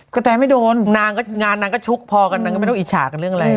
กะแตงไม่โดนงานนางก็ชุกพอกามันก็ไม่ต้องอีชากันเรื่องไร